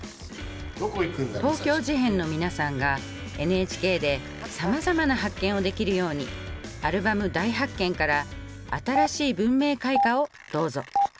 東京事変の皆さんがＮＨＫでさまざまな発見をできるようにアルバム「大発見」から「新しい文明開化」をどうぞ。